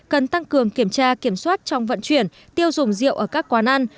cần tăng cường kiểm tra kiểm soát trong vận chuyển tiêu dùng rượu ở các quán ăn